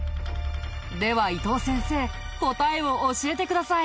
では伊藤先生答えを教えてください。